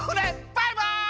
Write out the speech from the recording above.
バイバイ！